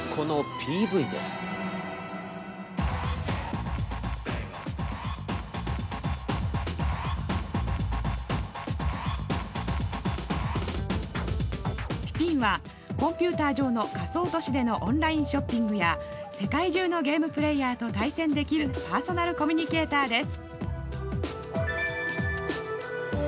ピピンはコンピューター上の仮想都市でのオンラインショッピングや世界中のゲームプレーヤーと対戦できるパーソナルコミュニケーターです。